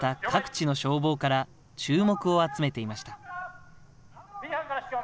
会場に集まった各地の消防から注目を集めていました。